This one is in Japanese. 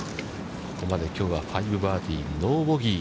ここまできょうは５バーディーノーボギー。